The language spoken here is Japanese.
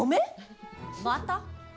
また？